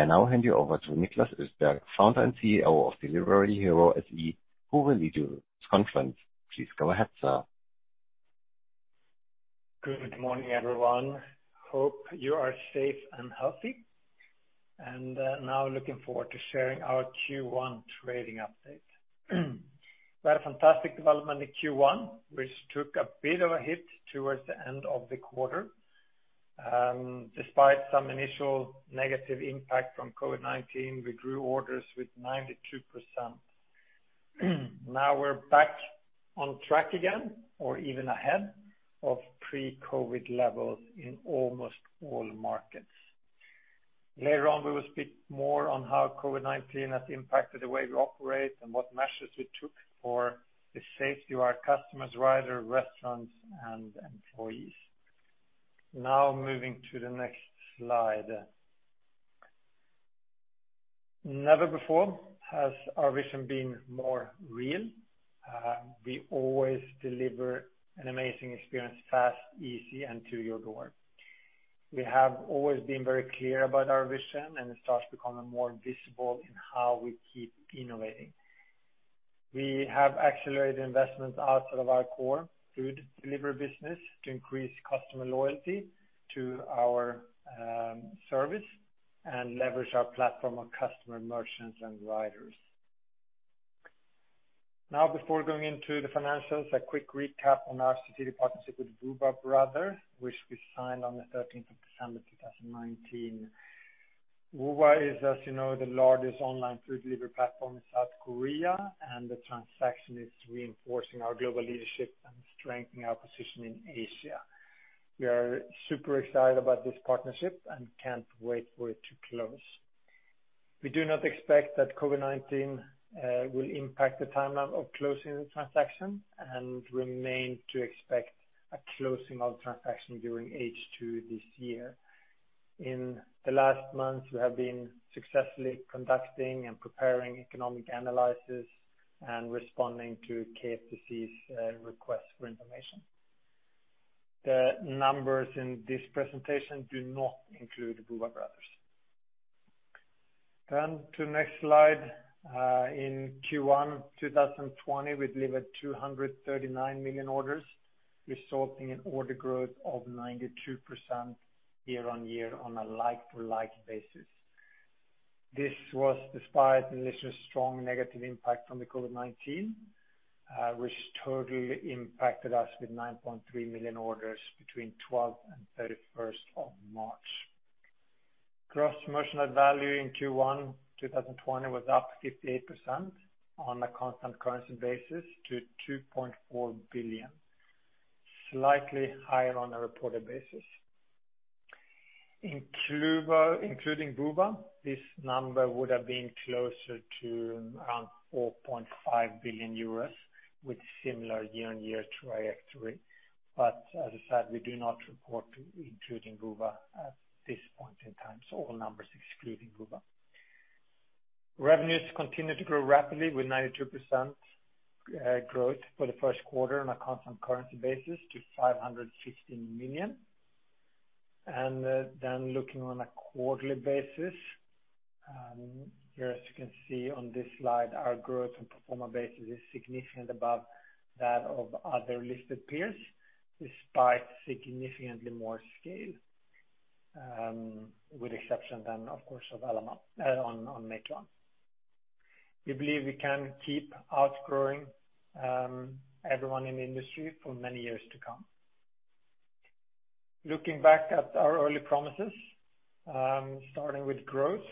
I now hand you over to Niklas Östberg, founder and CEO of Delivery Hero SE, who will lead you in this conference. Please go ahead, sir. Good morning, everyone. Hope you are safe and healthy. Now looking forward to sharing our Q1 trading update. We had a fantastic development in Q1, which took a bit of a hit towards the end of the quarter. Despite some initial negative impact from COVID-19, we grew orders with 92%. Now we're back on track again, or even ahead of pre-COVID levels in almost all markets. Later on, we will speak more on how COVID-19 has impacted the way we operate and what measures we took for the safety of our customers, riders, restaurants, and employees. Now moving to the next slide. Never before has our vision been more real. We always deliver an amazing experience fast, easy, and to your door. We have always been very clear about our vision, and it starts becoming more visible in how we keep innovating. We have accelerated investments outside of our core food delivery business to increase customer loyalty to our service and leverage our platform of customer merchants and riders. Before going into the financials, a quick recap on our strategic partnership with Woowa Brothers, which we signed on the 13th of December 2019. Woowa is, as you know, the largest online food delivery platform in South Korea, and the transaction is reinforcing our global leadership and strengthening our position in Asia. We are super excited about this partnership and can't wait for it to close. We do not expect that COVID-19 will impact the timeline of closing the transaction and remain to expect a closing of transaction during H2 this year. In the last month, we have been successfully conducting and preparing economic analysis and responding to KFTC's request for information. The numbers in this presentation do not include Woowa Brothers. To the next slide. In Q1 2020, we delivered 239 million orders, resulting in order growth of 92% year-over-year on a like-to-like basis. This was despite initial strong negative impact from COVID-19, which totally impacted us with 9.3 million orders between 12th and 31st of March. Gross merchant value in Q1 2020 was up 58% on a constant currency basis to 2.4 billion. Slightly higher on a reported basis. Including Woowa, this number would have been closer to around 4.5 billion euros, with similar year-over-year trajectory. As I said, we do not report including Woowa at this point in time. All numbers excluding Woowa. Revenues continued to grow rapidly with 92% growth for the first quarter on a constant currency basis to 515 million. Looking on a quarterly basis. As you can see on this slide, our growth and pro forma basis is significant above that of other listed peers, despite significantly more scale, with exception, of course, on Meituan. We believe we can keep outgrowing everyone in the industry for many years to come. Looking back at our early promises, starting with growth.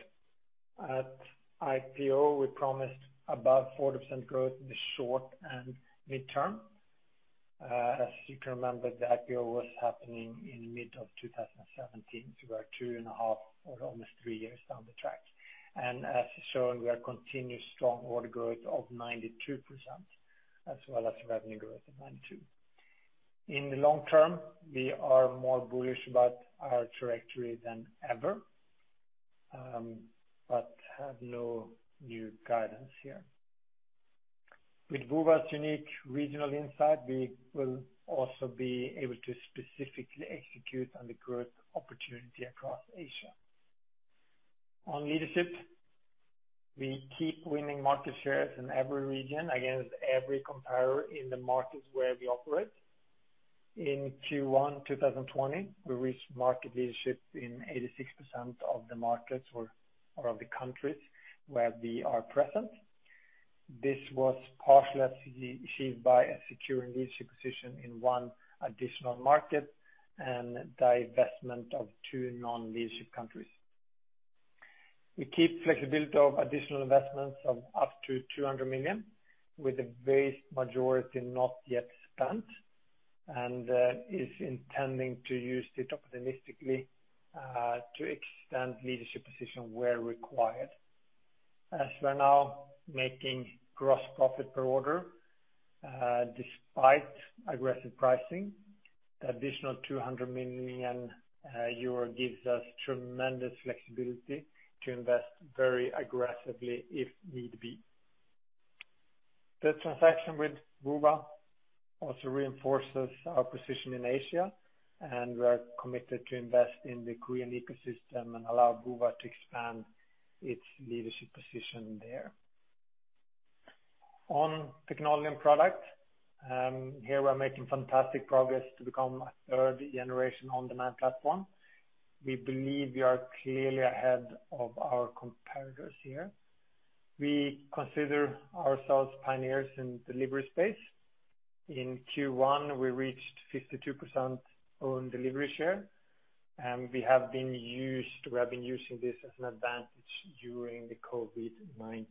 At IPO, we promised above 40% growth in the short and midterm. As you can remember, the IPO was happening in the mid of 2017, we're 2.5 years or almost three years down the track. As shown, we are continued strong order growth of 92%, as well as revenue growth of 92%. In the long term, we are more bullish about our trajectory than ever, have no new guidance here. With Woowa's unique regional insight, we will also be able to specifically execute on the growth opportunity across Asia. On leadership, we keep winning market shares in every region against every competitor in the markets where we operate. In Q1 2020, we reached market leadership in 86% of the markets or of the countries where we are present. This was partially achieved by a secure leadership position in one additional market and the divestment of two non-leadership countries. We keep flexibility of additional investments of up to 200 million, with the vast majority not yet spent, and is intending to use it opportunistically to extend leadership position where required. As we're now making gross profit per order despite aggressive pricing, additional 200 million euro gives us tremendous flexibility to invest very aggressively if need be. The transaction with Woowa also reinforces our position in Asia, and we are committed to invest in the Korean ecosystem and allow Woowa to expand its leadership position there. On technology and product. Here we are making fantastic progress to become a 3 third generation on-demand platform. We believe we are clearly ahead of our competitors here. We consider ourselves pioneers in delivery space. In Q1, we reached 52% own delivery share, and we have been using this as an advantage during the COVID-19.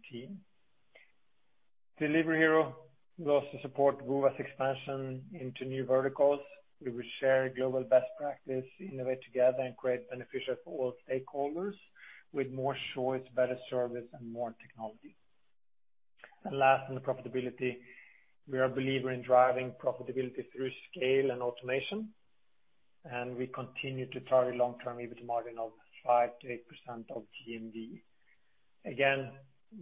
Delivery Hero will also support Woowa's expansion into new verticals. We will share global best practice, innovate together, and create beneficial for all stakeholders with more choice, better service, and more technology. Last, in the profitability, we are a believer in driving profitability through scale and automation, we continue to target long-term EBIT margin of 5%-8% of GMV. Again,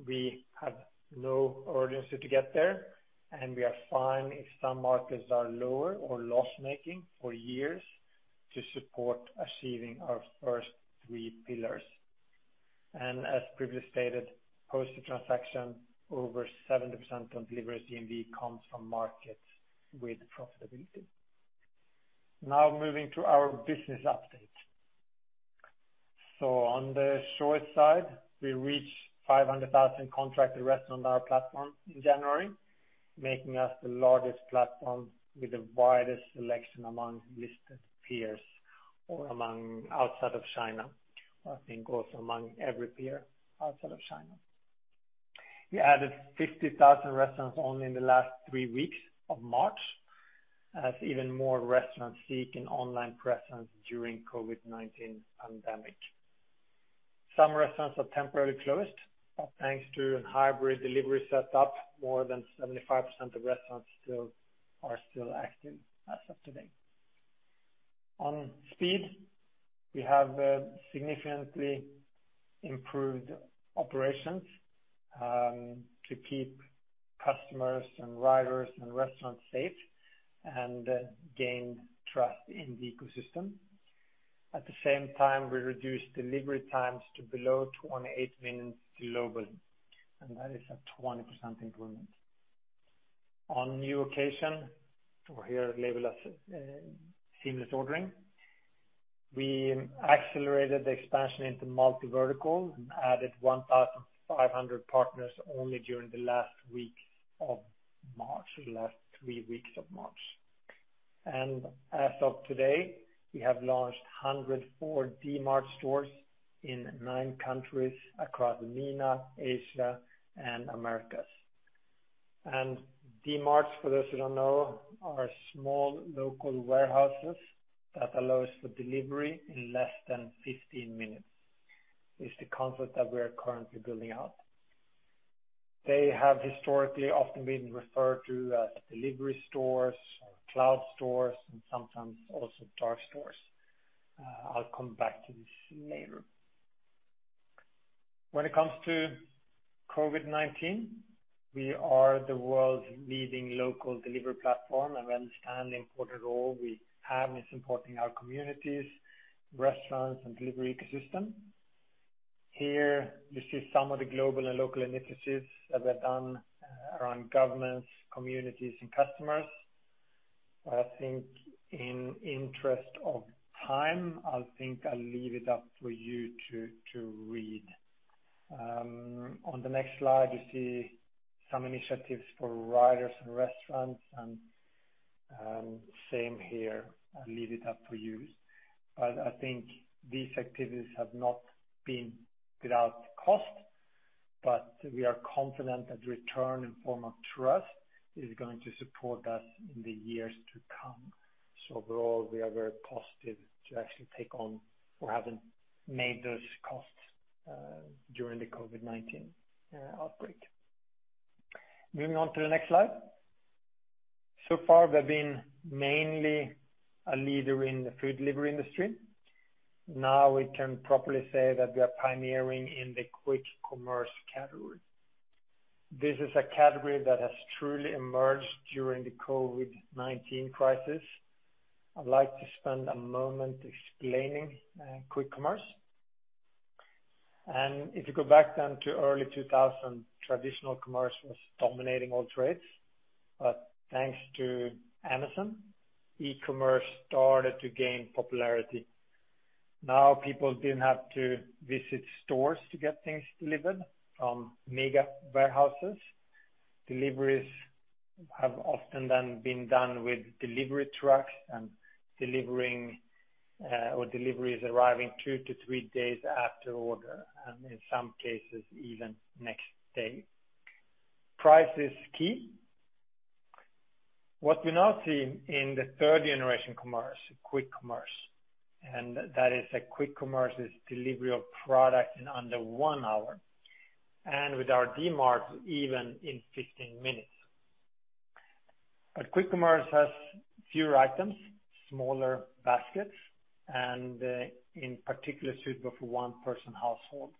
we have no urgency to get there, and we are fine if some markets are lower or loss-making for years to support achieving our first three pillars. As previously stated, post the transaction, over 70% of Delivery Hero's GMV comes from markets with profitability. Now moving to our business update. On the short side, we reached 500,000 contracted restaurants on our platform in January, making us the largest platform with the widest selection among listed peers or among outside of China. I think also among every peer outside of China. We added 50,000 restaurants only in the last three weeks of March as even more restaurants seeking online presence during COVID-19 pandemic. Some restaurants are temporarily closed. Thanks to a hybrid delivery setup, more than 75% of restaurants are still active as of today. On speed, we have significantly improved operations to keep customers and riders and restaurants safe and gain trust in the ecosystem. At the same time, we reduced delivery times to below 28 minutes globally, and that is a 20% improvement. On new location or here label as seamless ordering, we accelerated the expansion into multi-vertical and added 1,500 partners only during the last week of March or the last three weeks of March. As of today, we have launched 104 Dmart stores in nine countries across MENA, Asia and Americas. Dmarts, for those who don't know, are small local warehouses that allows for delivery in less than 15 minutes, is the concept that we are currently building out. They have historically often been referred to as delivery stores or cloud stores and sometimes also dark stores. I'll come back to this later. When it comes to COVID-19, we understand the important role we have in supporting our communities, restaurants, and delivery ecosystem. Here you see some of the global and local initiatives that were done around governments, communities, and customers. I think in interest of time, I think I'll leave it up for you to read. On the next slide, you see some initiatives for riders and restaurants and same here. I'll leave it up for you. I think these activities have not been without cost, but we are confident that return in form of trust is going to support us in the years to come. Overall, we are very positive to actually take on for having made those costs during the COVID-19 outbreak. Moving on to the next slide. Far, we've been mainly a leader in the food delivery industry. Now we can properly say that we are pioneering in the quick commerce category. This is a category that has truly emerged during the COVID-19 crisis. I'd like to spend a moment explaining quick commerce. If you go back then to early 2000, traditional commerce was dominating all trades. Thanks to Amazon, e-commerce started to gain popularity. Now people didn't have to visit stores to get things delivered from mega warehouses. Deliveries have often then been done with delivery trucks and deliveries arriving two to three days after order, and in some cases, even next day. Price is key. What we now see in the third-generation commerce, quick commerce, that is a quick commerce is delivery of product in under one hour. With our Dmart, even in 15 minutes. Quick commerce has fewer items, smaller baskets, and in particular suitable for one person household.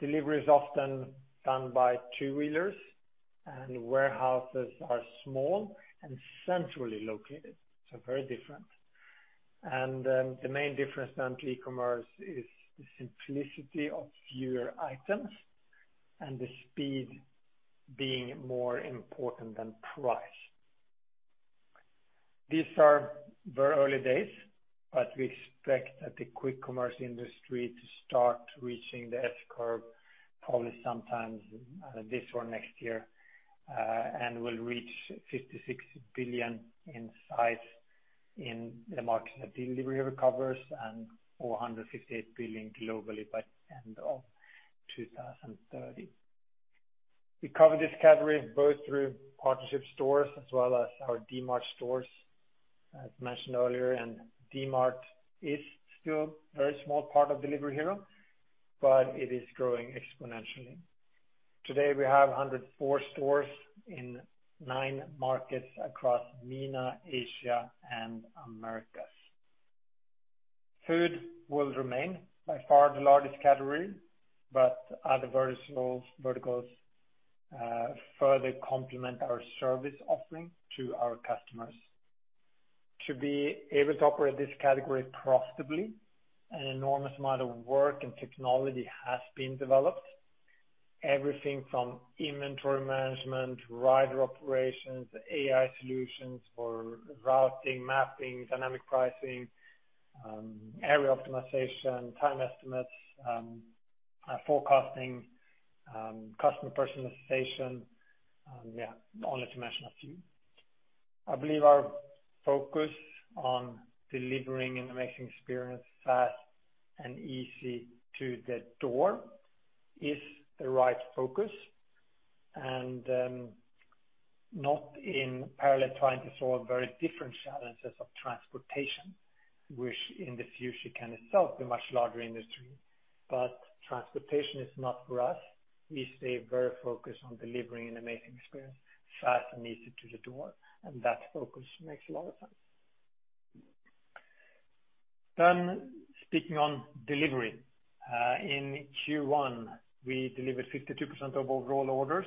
Delivery is often done by two-wheelers and warehouses are small and centrally located, very different. The main difference than e-commerce is the simplicity of fewer items and the speed being more important than price. These are very early days, we expect that the quick commerce industry to start reaching the S-curve probably sometime this or next year, will reach 56 billion in size in the markets that Delivery Hero covers and 458 billion globally by end of 2030. We cover this category both through partnership stores as well as our Dmart stores as mentioned earlier, and Dmart is still very small part of Delivery Hero, but it is growing exponentially. Today we have 104 stores in nine markets across MENA, Asia and Americas. Food will remain by far the largest category, but other verticals further complement our service offering to our customers. To be able to operate this category profitably, an enormous amount of work and technology has been developed. Everything from inventory management, rider operations, AI solutions for routing, mapping, dynamic pricing, area optimization, time estimates, forecasting, customer personalization. Yeah, only to mention a few. I believe our focus on delivering an amazing experience fast and easy to the door is the right focus and not in parallel trying to solve very different challenges of transportation, which in the future can itself be much larger industry. Transportation is not for us. We stay very focused on delivering an amazing experience, fast and easy to the door, and that focus makes a lot of sense. Speaking on delivery. In Q1, we delivered 52% of overall orders.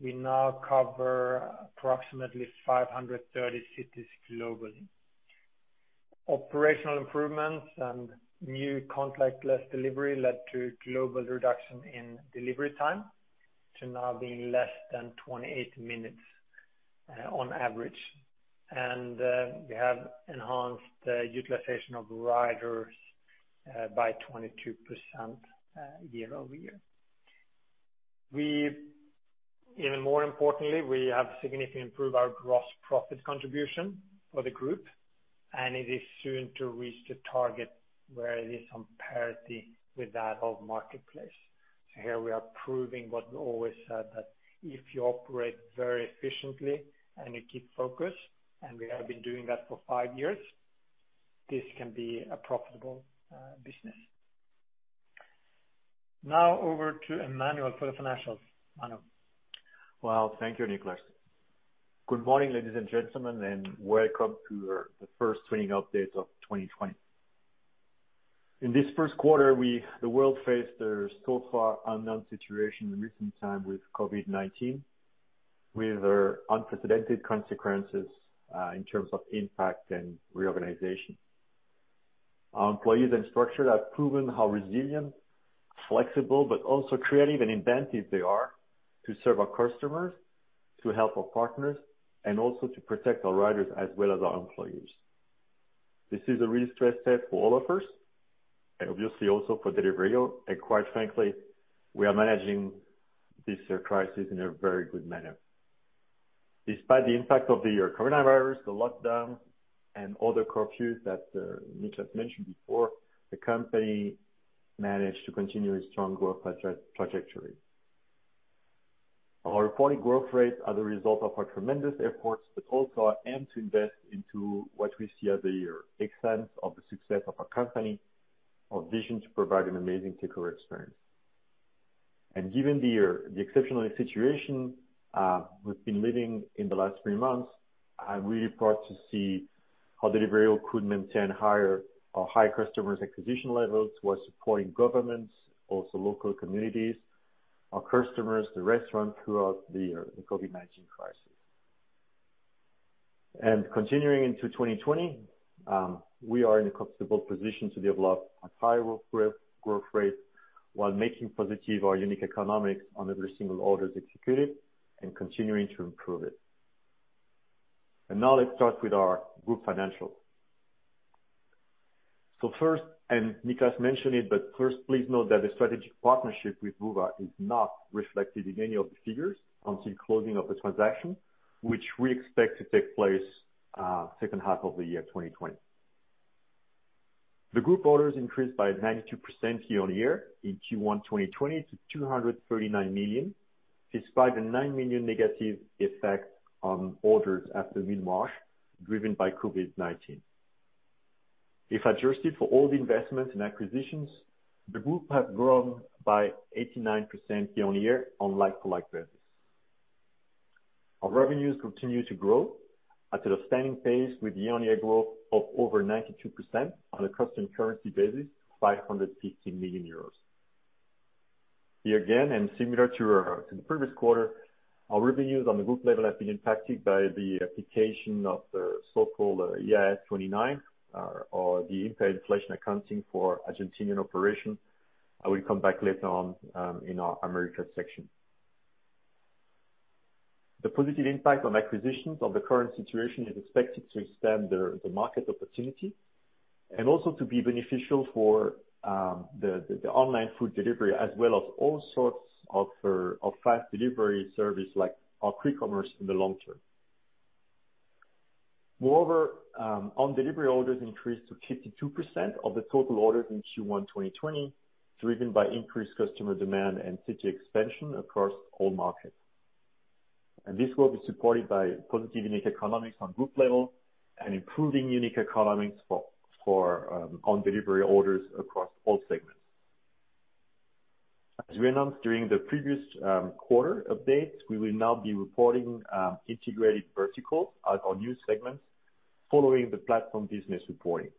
We now cover approximately 530 cities globally. Operational improvements and new contactless delivery led to global reduction in delivery time to now being less than 28 minutes on average. We have enhanced utilization of riders by 22% year-over-year. Even more importantly, we have significantly improved our gross profit contribution for the group, and it is soon to reach the target where it is on parity with that of marketplace. Here we are proving what we always said, that if you operate very efficiently and you keep focus, and we have been doing that for five years, this can be a profitable business. Now over to Emmanuel for the financials. Emmanuel. Well, thank you, Niklas. Good morning, ladies and gentlemen, and welcome to the first earnings update of 2020. In this first quarter, the world faced a so far unknown situation in recent time with COVID-19, with unprecedented consequences, in terms of impact and reorganization. Our employees and structure have proven how resilient, flexible, but also creative and inventive they are to serve our customers, to help our partners, and also to protect our riders as well as our employers. This is a real stress test for all of us and obviously also for Delivery Hero. Quite frankly, we are managing this crisis in a very good manner. Despite the impact of the coronavirus, the lockdown, and other curfews that Niklas mentioned before, the company managed to continue its strong growth trajectory. Our reporting growth rates are the result of our tremendous efforts, but also our aim to invest into what we see as the extent of the success of our company, our vision to provide an amazing takeaway experience. Given the exceptional situation we've been living in the last three months, I'm really proud to see how Delivery Hero could maintain high customers acquisition levels while supporting governments, also local communities, our customers, the restaurant throughout the COVID-19 crisis. Continuing into 2020, we are in a comfortable position to be able to have a high growth rate while making positive our unit economics on every single order executed and continuing to improve it. Now let's start with our group financials. First, Niklas mentioned it, first, please note that the strategic partnership with Woowa is not reflected in any of the figures until closing of the transaction, which we expect to take place second half of the year 2020. The group orders increased by 92% year-on-year in Q1 2020 to 239 million, despite a 9 million negative effect on orders after mid-March driven by COVID-19. If adjusted for all the investments and acquisitions, the group has grown by 89% year-on-year on like-to-like basis. Our revenues continue to grow at an outstanding pace with year-on-year growth of over 92% on a constant currency basis to 550 million euros. Similar to the previous quarter, our revenues on the group level have been impacted by the application of the so-called IAS 29, or the impaired inflation accounting for Argentinian operations. I will come back later on in our Americas section. The positive impact on acquisitions of the current situation is expected to extend the market opportunity and also to be beneficial for the online food delivery, as well as all sorts of fast delivery service like our quick commerce in the long term. On-delivery orders increased to 52% of the total orders in Q1 2020, driven by increased customer demand and city expansion across all markets. This growth is supported by positive unique economics on group level and improving unique economics for on-delivery orders across all segments. As we announced during the previous quarter updates, we will now be reporting Integrated Verticals as our new segments following the platform business reporting.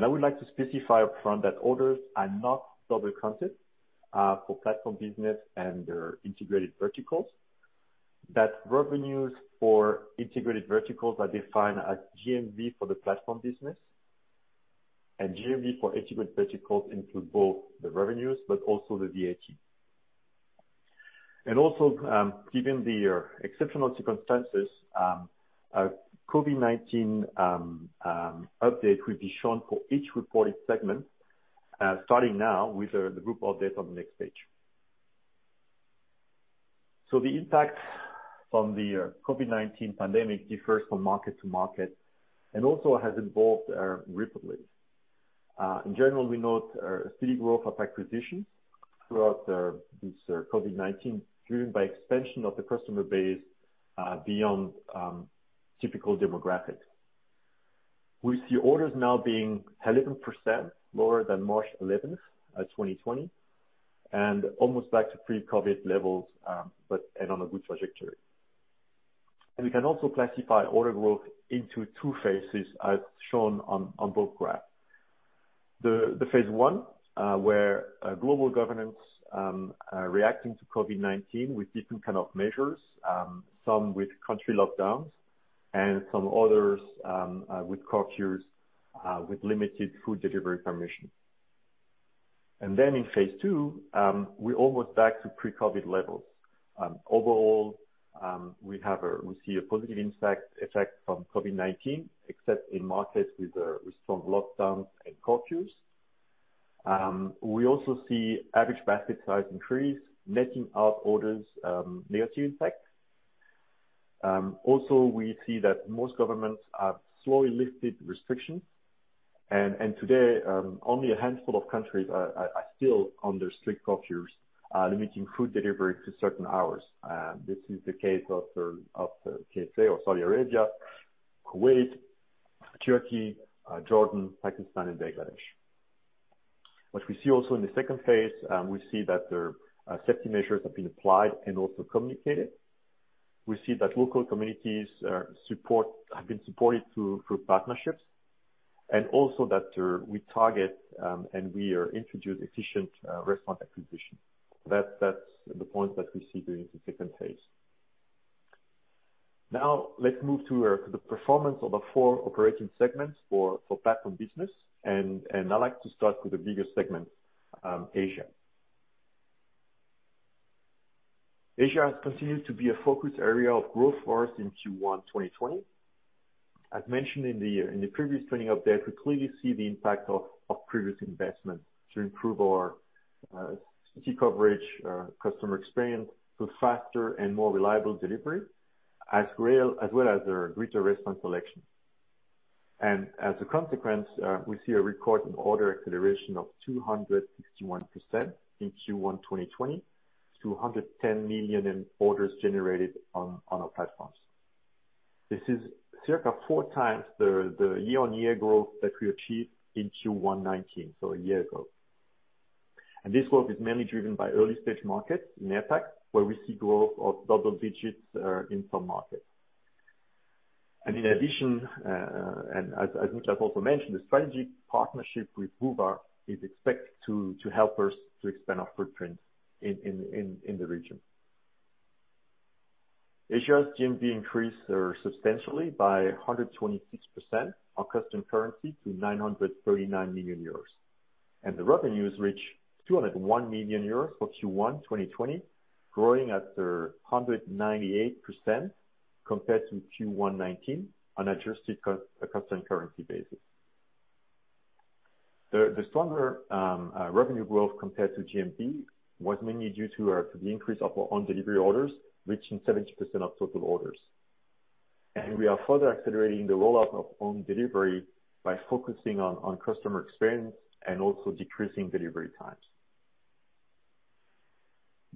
I would like to specify upfront that orders are not double counted for platform business and their integrated verticals, that revenues for integrated verticals are defined as GMV for the platform business, and GMV for integrated verticals include both the revenues but also the VAT. Given the exceptional circumstances, COVID-19 update will be shown for each reported segment, starting now with the group update on the next page. The impact from the COVID-19 pandemic differs from market to market and also has evolved rapidly. In general, we note a steady growth of acquisitions throughout this COVID-19, driven by expansion of the customer base beyond typical demographics. We see orders now being 11% lower than March 11th, 2020, and almost back to pre-COVID levels, and on a good trajectory. We can also classify order growth into two phases as shown on both graphs. The phase I, where global governance reacting to COVID-19 with different kind of measures, some with country lockdowns and some others with curfews with limited food delivery permission. In phase II, we're almost back to pre-COVID levels. Overall, we see a positive effect from COVID-19, except in markets with strong lockdowns and curfews. We also see average basket size increase, netting out orders loyalty impact. Also, we see that most governments have slowly lifted restrictions, and today, only a handful of countries are still under strict curfews, limiting food delivery to certain hours. This is the case of KSA or Saudi Arabia, Kuwait, Turkey, Jordan, Pakistan, and Bangladesh. What we see also in the second phase, we see that the safety measures have been applied and also communicated. We see that local communities have been supported through partnerships, and also that we target and we introduce efficient restaurant acquisition. That's the point that we see during the second phase. Let's move to the performance of the four operating segments for platform business. I'd like to start with the biggest segment, Asia. Asia has continued to be a focus area of growth for us in Q1 2020. As mentioned in the previous earnings update, we clearly see the impact of previous investment to improve our city coverage, customer experience, through faster and more reliable delivery, as well as a greater restaurant selection. As a consequence, we see a record in order acceleration of 261% in Q1 2020 to 110 million in orders generated on our platforms. This is circa four times the year-on-year growth that we achieved in Q1 2019, a year ago. This growth is mainly driven by early-stage markets in APAC, where we see growth of double digits in some markets. In addition, as Niklas also mentioned, the strategic partnership with BubBa is expected to help us to expand our footprint in the region. Asia's GMV increased substantially by 126% on constant currency to 939 million euros. The revenues reached 201 million euros for Q1 2020, growing at 198% compared to Q1 2019 on adjusted constant currency basis. The stronger revenue growth compared to GMV was mainly due to the increase of our on-delivery orders, reaching 70% of total orders. We are further accelerating the rollout of on-delivery by focusing on customer experience and also decreasing delivery times.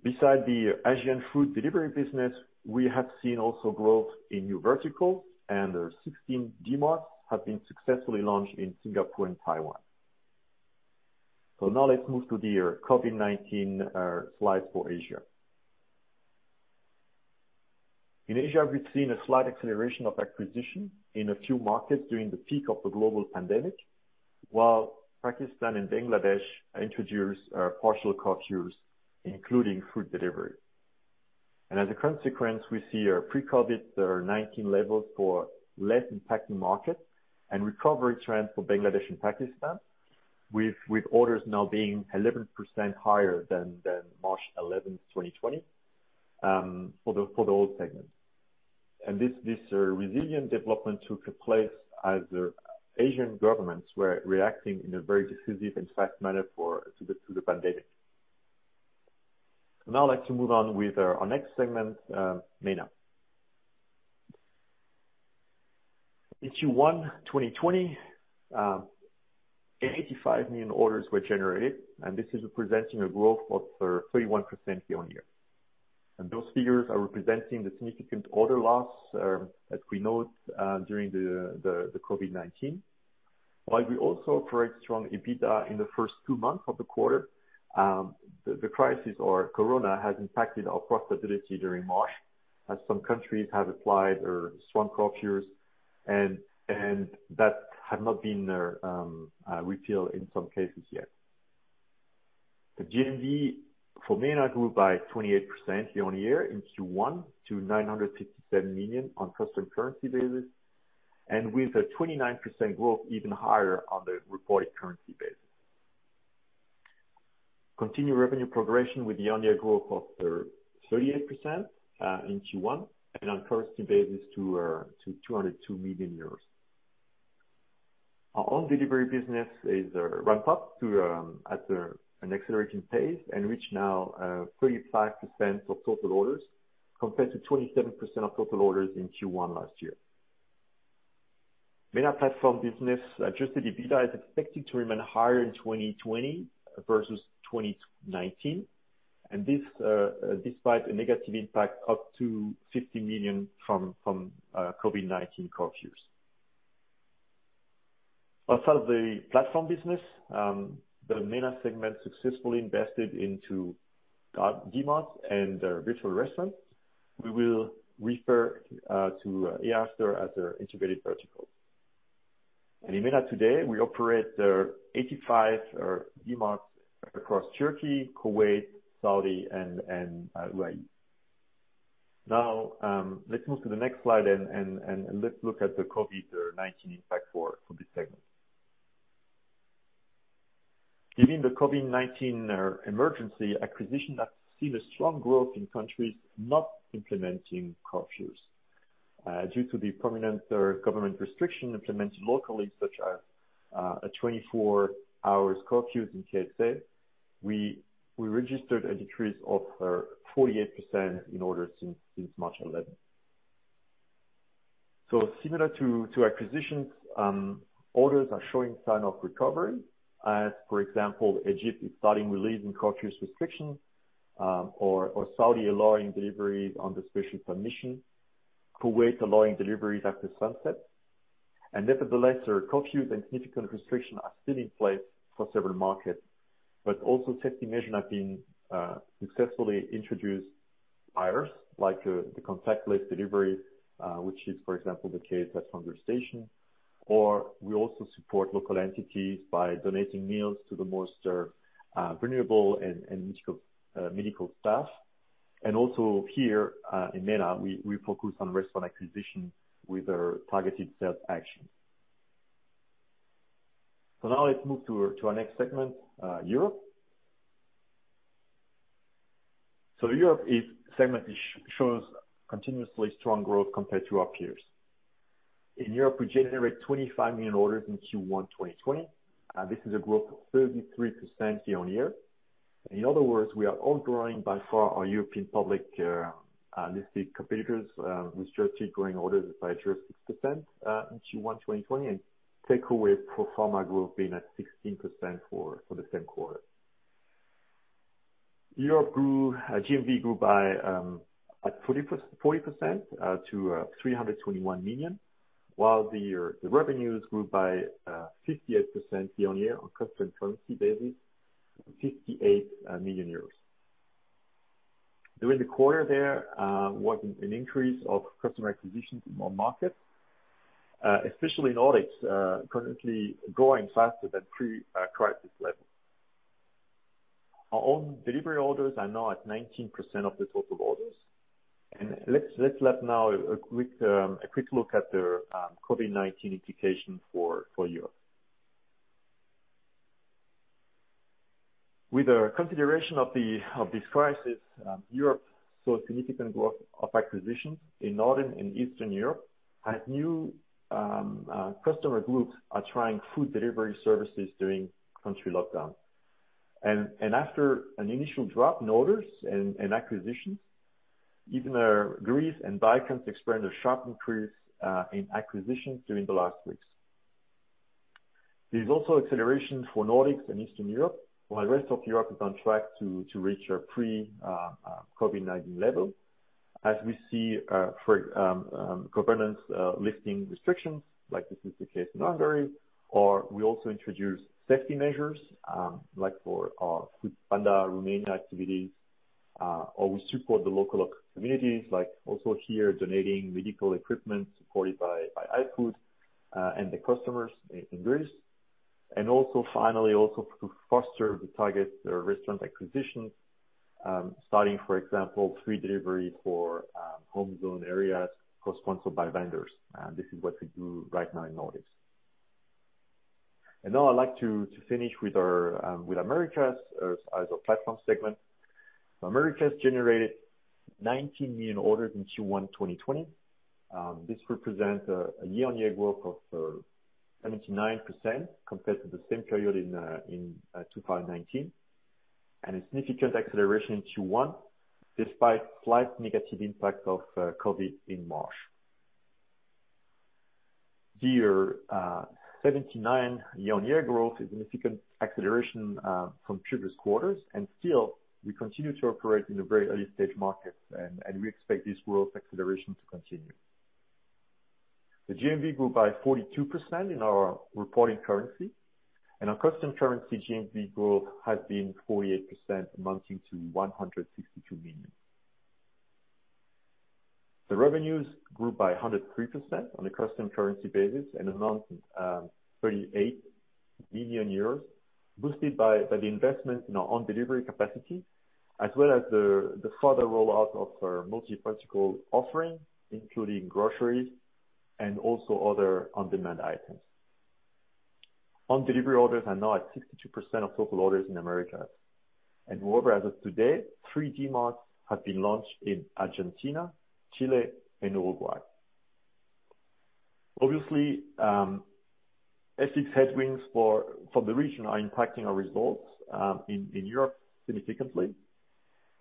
Beside the Asian food delivery business, we have seen also growth in new vertical, and 16 Dmarts have been successfully launched in Singapore and Taiwan. Now let's move to the COVID-19 slides for Asia. In Asia, we've seen a slight acceleration of acquisition in a few markets during the peak of the global pandemic, while Pakistan and Bangladesh introduced partial curfews, including food delivery. As a consequence, we see pre-COVID-19 levels for less impacted markets and recovery trend for Bangladesh and Pakistan, with orders now being 11% higher than March 11, 2020, for the whole segment. This resilient development took place as Asian governments were reacting in a very decisive and fast manner to the pandemic. Now I'd like to move on with our next segment, MENA. In Q1 2020, 85 million orders were generated, and this is representing a growth of 31% year-over-year. Those figures are representing the significant order loss that we note during the COVID-19. While we also operate strong EBITDA in the first two months of the quarter, the crisis or COVID-19 has impacted our profitability during March as some countries have applied strong curfews, and that had not been repealed in some cases yet. The GMV for MENA grew by 28% year-over-year in Q1 to 957 million on constant currency basis, and with a 25% growth even higher on the reported currency basis. Continued revenue progression with year-over-year growth of 38% in Q1 and on currency basis to 202 million euros. Our own delivery business is ramped up at an accelerating pace and reach now 35% of total orders, compared to 27% of total orders in Q1 last year. MENA platform business adjusted EBITDA is expected to remain higher in 2020 versus 2019, and this despite a negative impact up to 50 million from COVID-19 curfews. Outside the platform business, the MENA segment successfully invested into Dmarts and virtual restaurants. We will refer to after as their integrated vertical. In MENA today, we operate 85 Dmarts across Turkey, Kuwait, Saudi, and UAE. Let's move to the next slide, and let's look at the COVID-19 impact for this segment. During the COVID-19 emergency, acquisition has seen a strong growth in countries not implementing curfews. Due to the prominent government restriction implemented locally, such as 24 hours curfews in KSA, we registered a decrease of 48% in orders since March 11. Similar to acquisitions, orders are showing sign of recovery. For example, Egypt is starting releasing curfews restrictions, or Saudi allowing deliveries under special permission, Kuwait allowing deliveries after sunset. Nevertheless, curfews and significant restrictions are still in place for several markets, but also safety measures have been successfully introduced by us, like the contactless delivery, which is, for example, the case at HungerStation, or we also support local entities by donating meals to the most vulnerable and medical staff. Also here, in MENA, we focus on restaurant acquisition with our targeted sales action. Now let's move to our next segment, Europe. Europe segment shows continuously strong growth compared to our peers. In Europe, we generate 25 million orders in Q1 2020. This is a growth of 33% year-on-year. In other words, we are outgrowing by far our European public listed competitors, with Just Eat growing orders by just 6% in Q1 2020, and Takeaway pro forma growth being at 16% for the same quarter. Europe GMV grew by 40% to 321 million, while the revenues grew by 58% year-on-year on constant currency basis, 58 million euros. During the quarter, there was an increase of customer acquisitions in more markets, especially in the Nordics, currently growing faster than pre-crisis levels. Our own delivery orders are now at 19% of the total orders. Let's have now a quick look at the COVID-19 implication for Europe. With the consideration of this crisis, Europe saw significant growth of acquisitions in Northern and Eastern Europe as new customer groups are trying food delivery services during country lockdown. After an initial drop in orders and acquisitions, even Greece and Balkans experienced a sharp increase in acquisitions during the last weeks. There's also acceleration for Nordics and Eastern Europe, while the rest of Europe is on track to reach a pre-COVID-19 level. As we see governments lifting restrictions, like this is the case in Hungary, or we also introduce safety measures, like for our Foodpanda Romania activities, or we support the local communities, like also here, donating medical equipment supported by iFood, and the customers in Greece. Also finally, also to foster the target restaurant acquisitions, starting, for example, free delivery for home zone areas co-sponsored by vendors. This is what we do right now in Nordics. Now I'd like to finish with Americas as our platform segment. Americas generated 19 million orders in Q1 2020. This represents a year-on-year growth of 79% compared to the same period in 2019, and a significant acceleration in Q1 despite slight negative impact of COVID in March. Here, 79% year-on-year growth is a significant acceleration from previous quarters. Still, we continue to operate in a very early-stage market, and we expect this growth acceleration to continue. The GMV grew by 42% in our reporting currency, and our custom currency GMV growth has been 48%, amounting to 162 million. The revenues grew by 103% on a custom currency basis and amounted 38 million euros, boosted by the investment in our own delivery capacity as well as the further rollout of our multi-vertical offering, including groceries and also other on-demand items. Own delivery orders are now at 62% of total orders in Americas. Moreover, as of today, three Dmarts have been launched in Argentina, Chile, and Uruguay. Obviously, FX headwinds for the region are impacting our results in Europe significantly.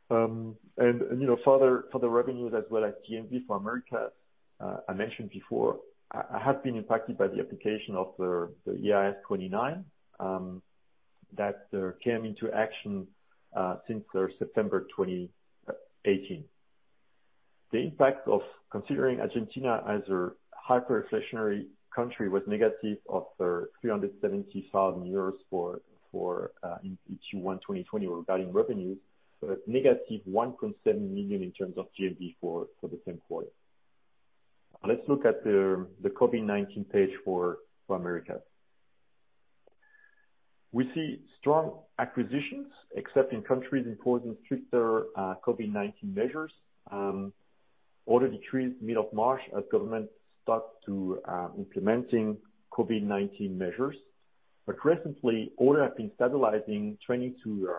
Further revenues as well as GMV for Americas, I mentioned before, have been impacted by the application of the IAS 29 that came into action since September 2018. The impact of considering Argentina as a hyperinflationary country was negative of 370,000 euros in Q1 2020 regarding revenues, but -1.7 million in terms of GMV for the same quarter. Let's look at the COVID-19 page for Americas. We see strong acquisitions, except in countries imposing stricter COVID-19 measures. Order decreased mid of March as governments start to implementing COVID-19 measures. Recently, order have been stabilizing, trending to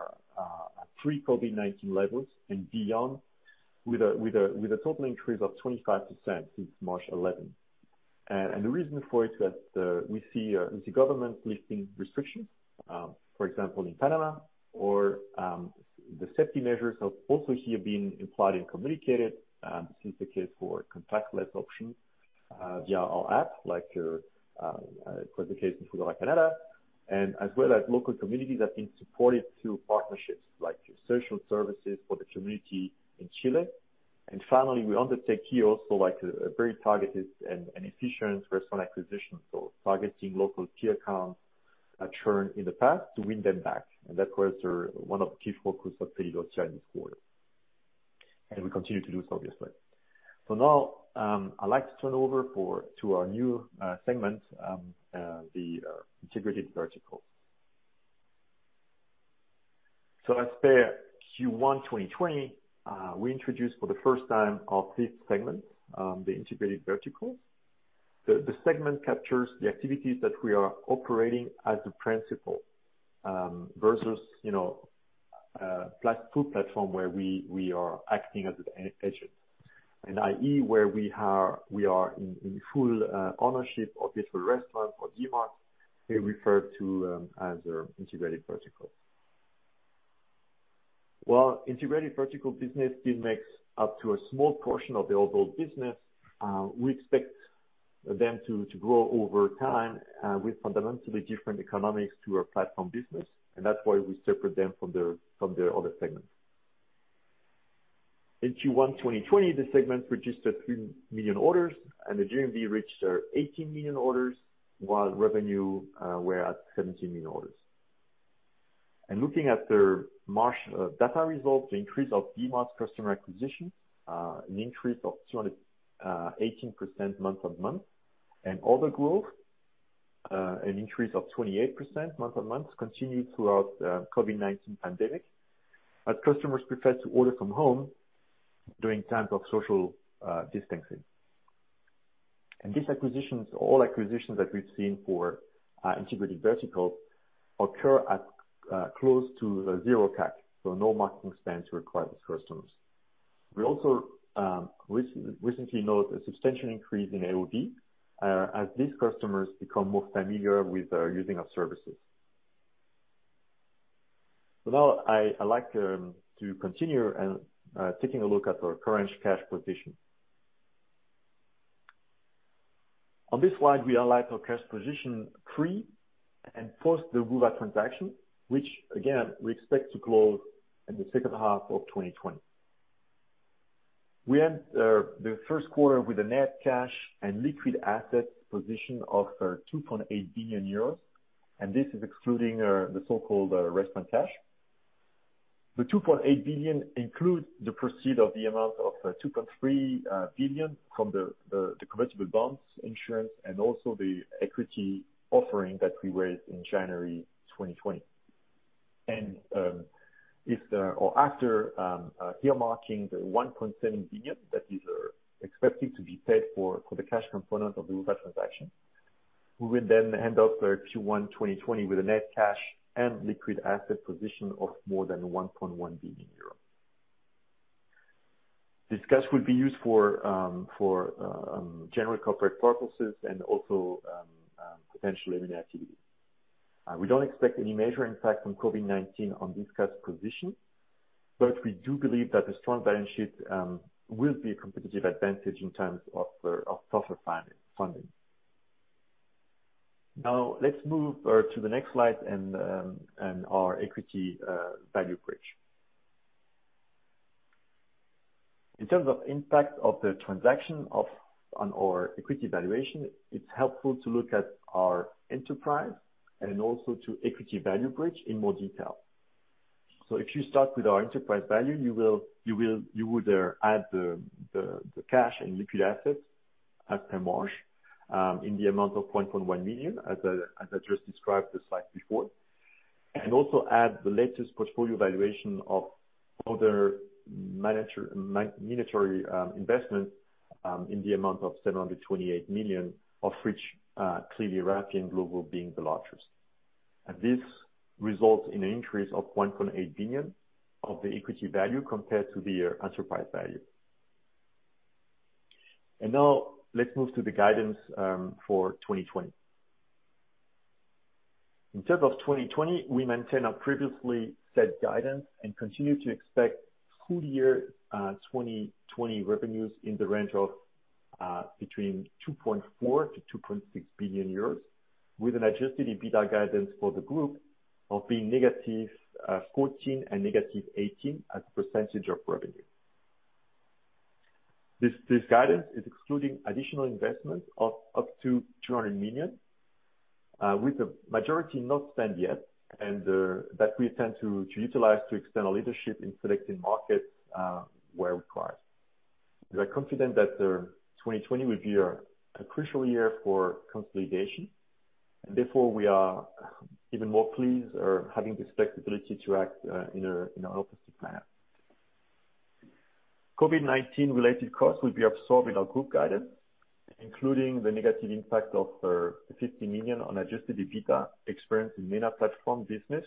pre-COVID-19 levels and beyond with a total increase of 25% since March 11. The reason for it is that we see government lifting restrictions, for example, in Panama or the safety measures have also here been applied and communicated. This is the case for contactless options via our app, like for the case in Foodora Canada, as well as local communities have been supported through partnerships like social services for the community in Chile. Finally, we undertake here also a very targeted and efficient restaurant acquisition. Targeting local key accounts that churned in the past to win them back. That was one of the key focus of Deliverect during this quarter. We continue to do so, obviously. Now, I'd like to turn over to our new segment, the integrated verticals. As per Q1 2020, we introduced for the first time our fifth segment, the integrated verticals. The segment captures the activities that we are operating as a principal versus Foodplatform, where we are acting as an agent. I.e., where we are in full ownership of virtual restaurant or Dmart, we refer to as integrated vertical. While integrated vertical business still makes up to a small portion of the overall business, we expect them to grow over time with fundamentally different economics to our platform business, and that's why we separate them from the other segments. In Q1 2020, the segment produced three million orders, and the GMV reached 18 million orders while revenue were at 17 million orders. Looking at the March data results, the increase of Dmart's customer acquisition, an increase of 218% month-on-month, and order growth, an increase of 28% month-on-month, continued throughout COVID-19 pandemic as customers prefer to order from home during times of social distancing. These acquisitions, all acquisitions that we've seen for integrated verticals occur at close to zero CAC. No marketing spend to acquire these customers. We also recently noticed a substantial increase in AOV as these customers become more familiar with using our services. Now I like to continue and taking a look at our current cash position. On this slide, we highlight our cash position pre and post the Ruza transaction, which again, we expect to close in the second half of 2020. We end the first quarter with a net cash and liquid assets position of 2.8 billion euros, and this is excluding the so-called restaurant cash. The 2.8 billion includes the proceeds of the amount of 2.3 billion from the convertible bonds issuance and also the equity offering that we raised in January 2020. After earmarking the 1.7 billion that is expected to be paid for the cash component of the Ruza transaction, we will then end up Q1 2020 with a net cash and liquid asset position of more than 1.1 billion euro. This will be used for general corporate purposes and also potential M&A activities. We don't expect any major impact from COVID-19 on this cash position, we do believe that a strong balance sheet will be a competitive advantage in terms of tougher funding. Let's move to the next slide and our equity value bridge. In terms of impact of the transaction on our equity valuation, it's helpful to look at our enterprise and also to equity value bridge in more detail. If you start with our enterprise value, you would add the cash and liquid assets at per March, in the amount of 0.1 million, as I just described the slide before. Also add the latest portfolio valuation of other minority investment, in the amount of 728 million of which Rappi and Glovo being the largest. This results in an increase of 1.8 billion of the equity value compared to the enterprise value. Now let's move to the guidance for 2020. In terms of 2020, we maintain our previously set guidance and continue to expect full year 2020 revenues in the range of between 2.4 billion-2.6 billion euros, with an adjusted EBITDA guidance for the group of being -14% and -18% as a percentage of revenue. This guidance is excluding additional investment of up to 200 million, with the majority not spent yet, and that we intend to utilize to extend our leadership in selecting markets where required. We are confident that 2020 will be a crucial year for consolidation, and therefore we are even more pleased having the flexibility to act in an offensive manner. COVID-19 related costs will be absorbed in our group guidance, including the negative impact of 50 million on adjusted EBITDA experienced in MENA platform business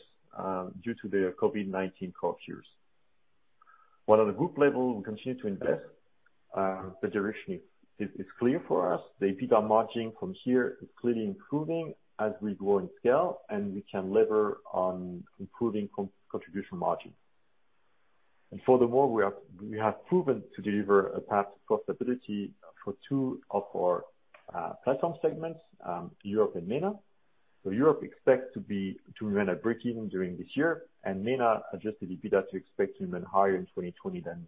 due to the COVID-19 curfews. While on a group level, we continue to invest, the direction is clear for us. The EBITDA margin from here is clearly improving as we grow in scale, and we can lever on improving contribution margin. Furthermore, we have proven to deliver a path to profitability for two of our platform segments, Europe and MENA. Europe expects to run at breakeven during this year and MENA adjusted EBITDA to expect even higher in 2020 than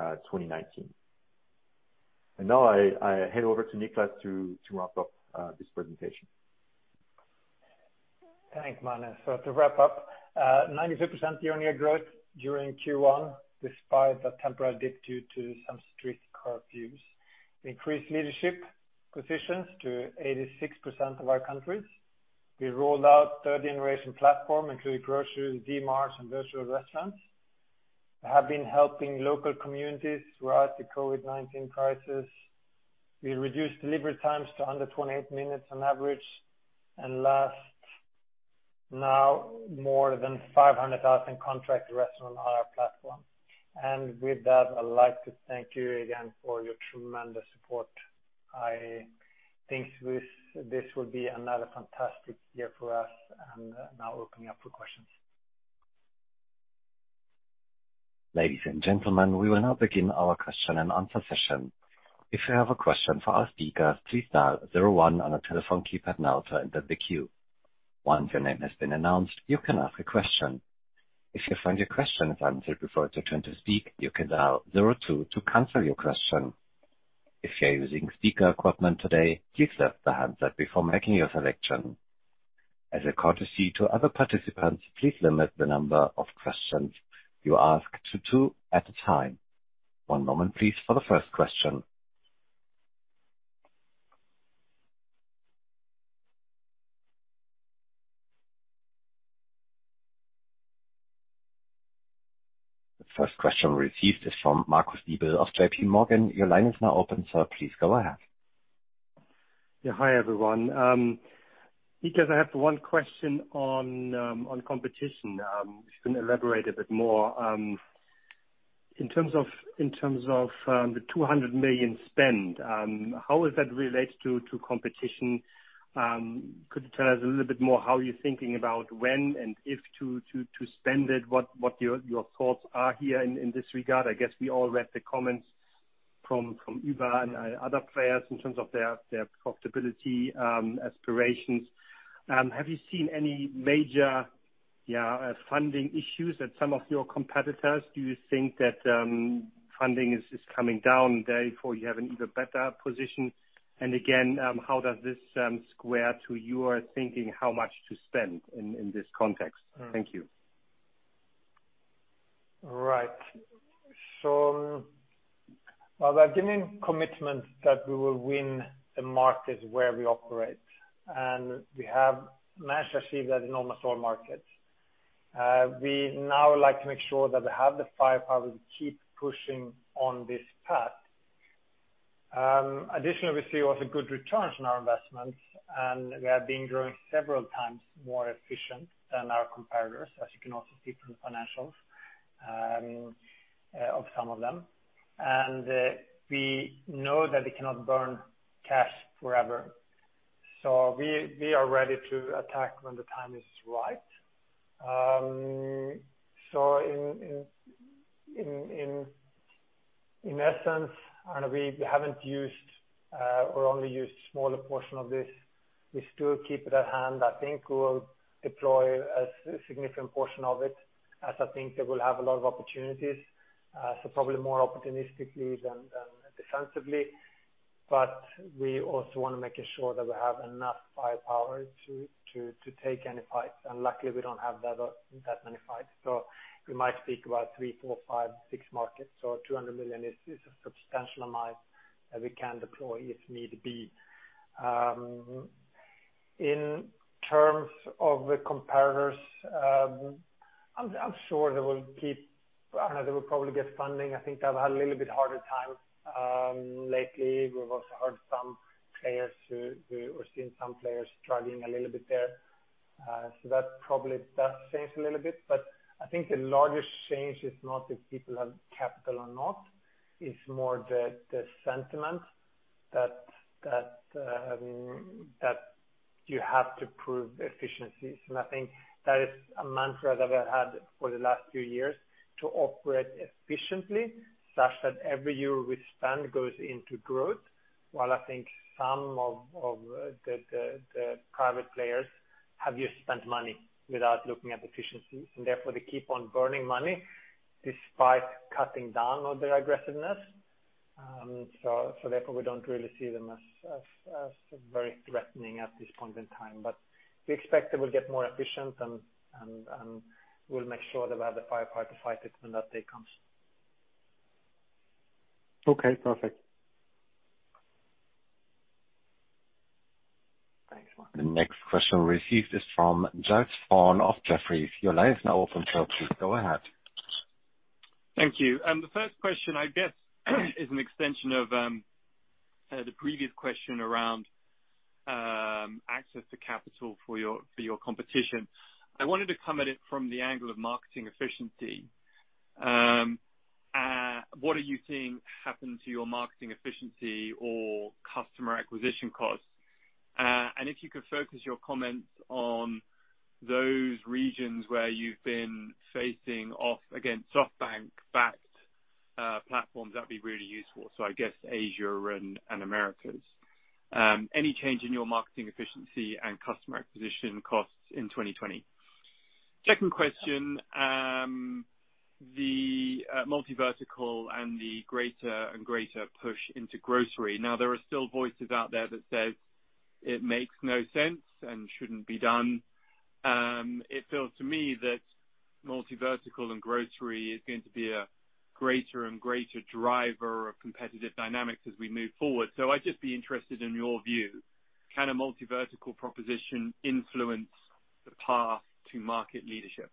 2019. Now I hand over to Niklas to wrap up this presentation. Thanks, Manuel. To wrap up, 93% year-on-year growth during Q1, despite a temporary dip due to some strict curfews. Increased leadership positions to 86% of our countries. We rolled out third generation platform, including grocery, Dmarts, and virtual restaurants. We have been helping local communities throughout the COVID-19 crisis. We reduced delivery times to under 28 minutes on average. Last, now more than 500,000 contract restaurants on our platform. With that, I'd like to thank you again for your tremendous support. I think this will be another fantastic year for us, and now opening up for questions. Ladies and gentlemen, we will now begin our question-and-answer session. If you have a question for our speakers, please dial zero one on your telephone keypad now to enter the queue. Once your name has been announced, you can ask a question. If you find your question has answered before it is your turn to speak, you can dial zero two to cancel your question. If you are using speaker equipment today, please mute the handset before making your selection. As a courtesy to other participants, please limit the number of questions you ask to two at a time. One moment please for the first question. The first question received is from Marcus Diebel of J.P. Morgan. Your line is now open, sir. Please go ahead. Yeah. Hi, everyone. Niklas, I have one question on competition. If you can elaborate a bit more on. In terms of the 200 million spend, how is that related to competition? Could you tell us a little bit more how you're thinking about when and if to spend it, what your thoughts are here in this regard? I guess we all read the comments from Uber and other players in terms of their profitability aspirations. Have you seen any major funding issues at some of your competitors? Do you think that funding is coming down, therefore you have an even better position? Again, how does this square to your thinking how much to spend in this context? Thank you. Right. While we are giving commitments that we will win the markets where we operate, and we have managed to achieve that in almost all markets. We now like to make sure that we have the firepower to keep pushing on this path. Additionally, we see also good returns on our investments, and we have been growing several times more efficient than our competitors, as you can also see from the financials of some of them. We know that they cannot burn cash forever. We are ready to attack when the time is right. In essence, and we haven't used or only used smaller portion of this. We still keep it at hand. I think we'll deploy a significant portion of it, as I think that we'll have a lot of opportunities, so probably more opportunistically than defensively. We also want to make sure that we have enough firepower to take any fight. Luckily, we don't have that many fights. We might speak about three, four, five, six markets. 200 million is a substantial amount that we can deploy if need be. In terms of the competitors, I'm sure they will probably get funding. I think they've had a little bit harder time lately. We've also heard or seen some players struggling a little bit there. That probably does change a little bit, but I think the largest change is not if people have capital or not, it's more the sentiment that you have to prove efficiencies. I think that is a mantra that I had for the last few years to operate efficiently such that every euro we spend goes into growth. While I think some of the private players have just spent money without looking at efficiencies, and therefore they keep on burning money despite cutting down on their aggressiveness. Therefore, we don't really see them as very threatening at this point in time. We expect they will get more efficient, and we'll make sure that we have the firepower to fight it when that day comes. Okay, perfect. Thanks. The next question received is from Giles Thorne of Jefferies. Your line is now open, sir. Please go ahead. Thank you. The first question, I guess is an extension of the previous question around access to capital for your competition. I wanted to come at it from the angle of marketing efficiency. What are you seeing happen to your marketing efficiency or customer acquisition costs? If you could focus your comments on those regions where you've been facing off against SoftBank-backed platforms, that'd be really useful, so I guess Asia and Americas. Any change in your marketing efficiency and customer acquisition costs in 2020? Second question, the multivertical and the greater and greater push into grocery. There are still voices out there that say it makes no sense and shouldn't be done. It feels to me that multivertical and grocery is going to be a greater and greater driver of competitive dynamics as we move forward. I'd just be interested in your view. Can a multivertical proposition influence the path to market leadership?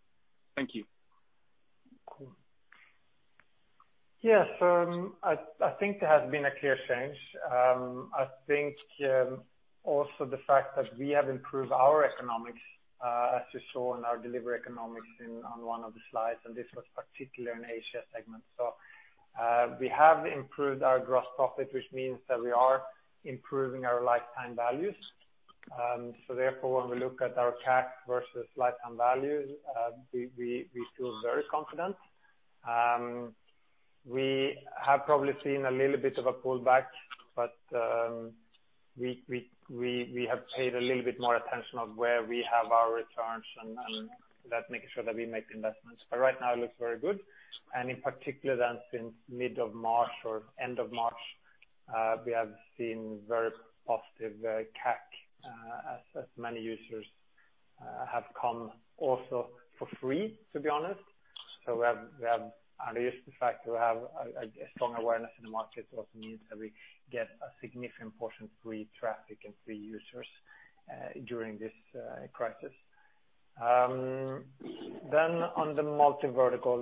Thank you. Cool. Yes, I think there has been a clear change. I think also the fact that we have improved our economics, as you saw in our delivery economics on one of the slides, and this was particular in Asia segment. We have improved our gross profit, which means that we are improving our lifetime values. When we look at our CAC versus lifetime values, we feel very confident. We have probably seen a little bit of a pullback, but we have paid a little bit more attention on where we have our returns and thus making sure that we make investments. Right now it looks very good. In particular than since mid of March or end of March, we have seen very positive CAC as many users have come also for free, to be honest. We have at least the fact we have a strong awareness in the market also means that we get a significant portion free traffic and free users during this crisis. On the multivertical.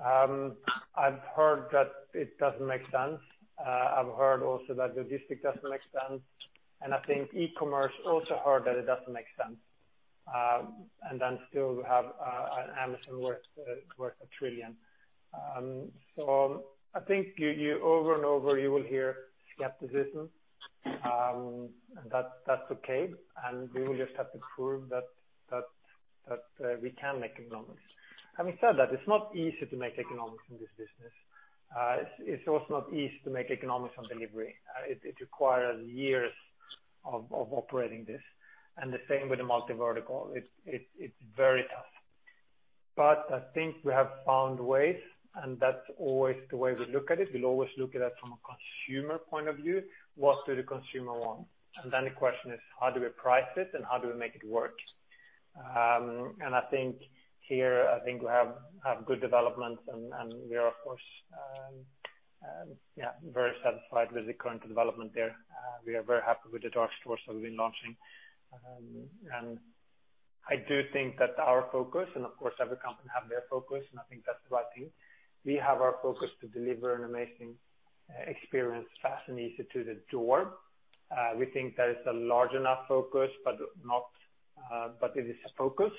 I've heard that it doesn't make sense. I've heard also that logistic doesn't make sense, and I think e-commerce also heard that it doesn't make sense. Still have an Amazon worth a trillion. I think over and over, you will hear skepticism, and that's okay. We will just have to prove that we can make economics. Having said that, it's not easy to make economics in this business. It's also not easy to make economics on delivery. It requires years of operating this, and the same with the multi-vertical. It's very tough. I think we have found ways, and that's always the way we look at it. We'll always look at it from a consumer point of view. What do the consumer want? Then the question is, how do we price it, and how do we make it work? I think here, I think we have good developments, and we are of course, very satisfied with the current development there. We are very happy with the dark stores that we've been launching. I do think that our focus, and of course, every company have their focus, and I think that's the right thing. We have our focus to deliver an amazing experience, fast and easy to the door. We think that is a large enough focus, but it is a focus.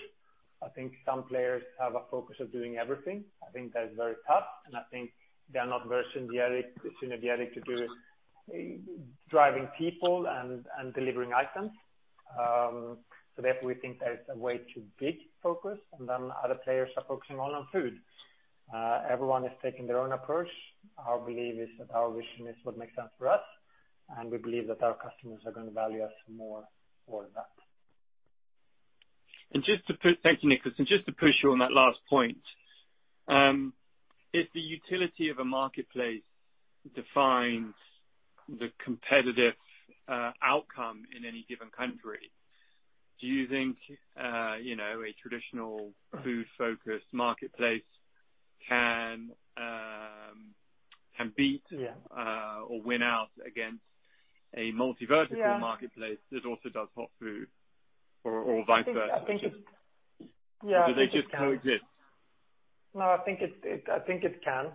I think some players have a focus of doing everything. I think that's very tough, and I think they are not very synergetic to do it, driving people and delivering items. Therefore, we think that it's a way too big focus, and then other players are focusing all on food. Everyone is taking their own approach. Our belief is that our vision is what makes sense for us, and we believe that our customers are going to value us more for that. Thank you, Niklas. Just to push you on that last point. If the utility of a marketplace defines the competitive outcome in any given country, do you think a traditional food-focused marketplace can beat-? Yeah or win out against a multi-vertical- Yeah marketplace that also does hot food or vice versa? I think it, yeah. Do they just coexist? I think it can.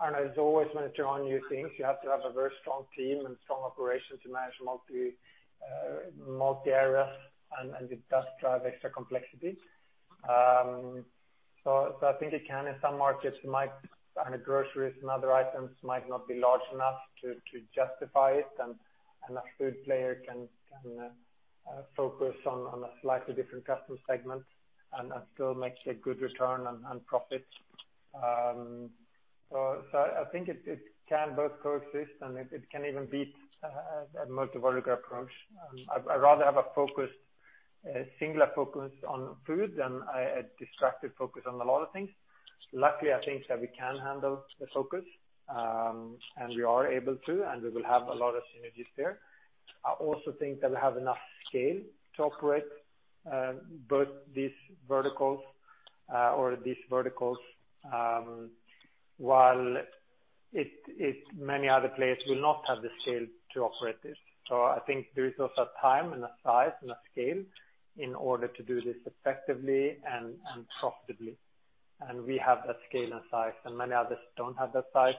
I know there's always when you're trying new things, you have to have a very strong team and strong operation to manage multi areas, and it does drive extra complexity. I think it can in some markets, groceries and other items might not be large enough to justify it, and a food player can focus on a slightly different customer segment and still make a good return on profits. I think it can both coexist, and it can even beat a multi-vertical approach. I'd rather have a singular focus on food than a distracted focus on a lot of things. Luckily, I think that we can handle the focus, and we are able to, and we will have a lot of synergies there. I also think that we have enough scale to operate both these verticals or these verticals, while many other players will not have the scale to operate this. I think there is also a time and a size and a scale in order to do this effectively and profitably. We have that scale and size, and many others don't have that size,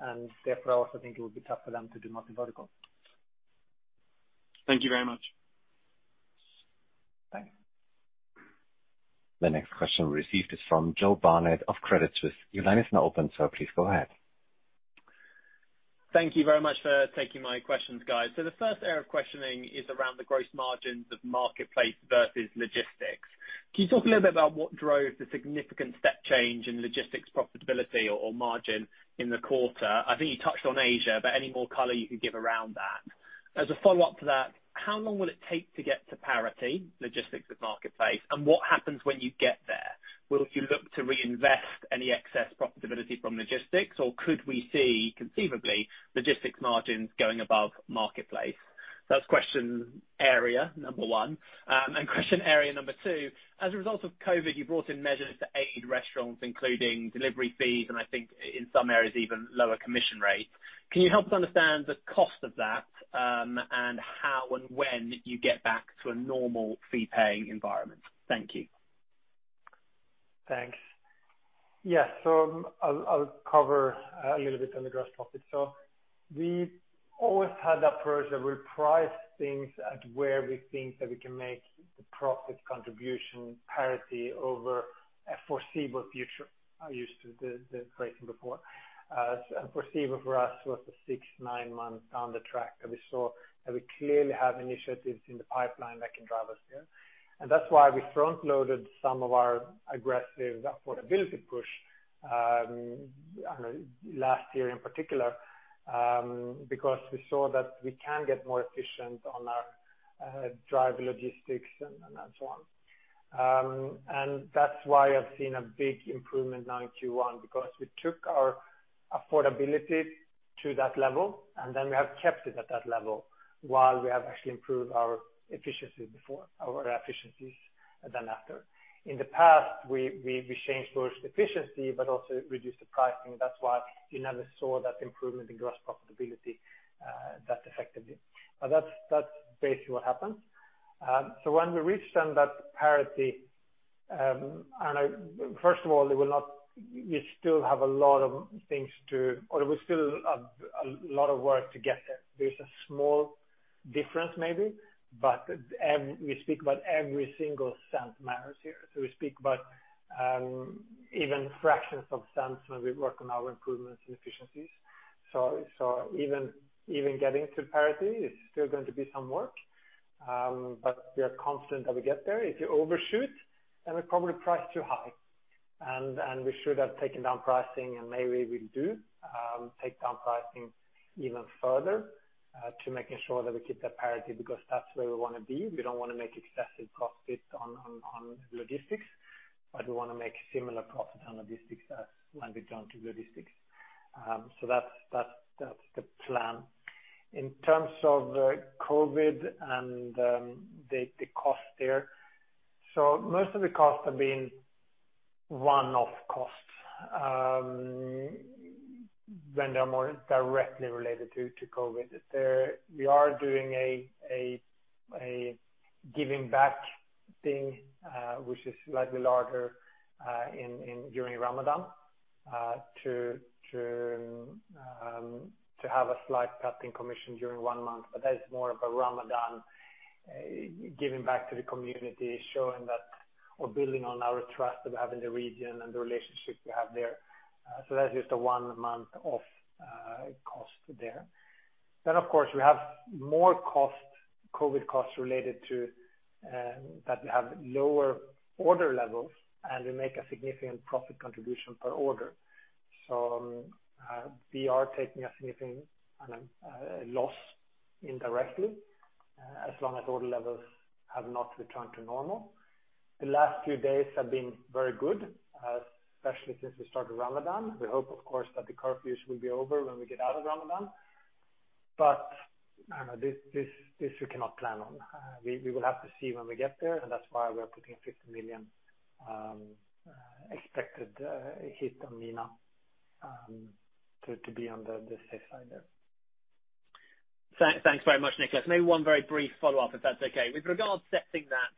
and therefore, I also think it will be tough for them to do multi-vertical. Thank you very much. Bye. The next question received is from Joe Barnet-Lamb of Credit Suisse. Your line is now open, please go ahead. Thank you very much for taking my questions, guys. The first area of questioning is around the gross margins of marketplace versus logistics. Can you talk a little bit about what drove the significant step change in logistics profitability or margin in the quarter? I think you touched on Asia, but any more color you could give around that? As a follow-up to that, how long will it take to get to parity logistics with marketplace, and what happens when you get there? Will you look to reinvest any excess profitability from logistics, or could we see conceivably logistics margins going above marketplace? That's question area number one. Question area number two, as a result of COVID, you brought in measures to aid restaurants, including delivery fees, and I think in some areas, even lower commission rates. Can you help us understand the cost of that? How and when you get back to a normal fee-paying environment. Thank you. Thanks. Yeah. I'll cover a little bit on the gross profit. We've always had the approach that we price things at where we think that we can make the profit contribution parity over a foreseeable future. I used the phrasing before. Foreseeable for us was the six, nine months down the track that we saw that we clearly have initiatives in the pipeline that can drive us there. That's why we front-loaded some of our aggressive affordability push, last year in particular, because we saw that we can get more efficient on our drive logistics and so on. That's why I've seen a big improvement now in Q1, because we took our affordability to that level, and we have kept it at that level while we have actually improved our efficiencies than after. In the past, we changed towards efficiency but also reduced the pricing. That's why you never saw that improvement in gross profitability that effectively. That's basically what happened. When we reach then that parity. First of all, we still have a lot of work to get there. There's a small difference maybe, but we speak about every single cent matters here. We speak about even fractions of cents when we work on our improvements and efficiencies. Even getting to parity is still going to be some work. We are confident that we get there. If we overshoot, then we probably price too high, and we should have taken down pricing and maybe we'll take down pricing even further, to making sure that we keep that parity because that's where we want to be. We don't want to make excessive profits on logistics, but we want to make similar profit on logistics as when we've done to logistics. That's the plan. In terms of the COVID and the cost there. Most of the costs have been one-off costs when they are more directly related to COVID. We are doing a giving back thing, which is slightly larger during Ramadan to have a slight cut in commission during one month. That is more of a Ramadan giving back to the community, showing that we're building on our trust that we have in the region and the relationship we have there. That's just a one-month off cost there. Of course, we have more COVID costs related to, that we have lower order levels and we make a significant profit contribution per order. We are taking a significant loss indirectly, as long as order levels have not returned to normal. The last few days have been very good, especially since we started Ramadan. We hope, of course, that the curfews will be over when we get out of Ramadan. This we cannot plan on. We will have to see when we get there, and that's why we are putting 50 million expected hit on MENA to be on the safe side there. Thanks very much, Niklas. Maybe one very brief follow-up, if that's okay. With regards setting that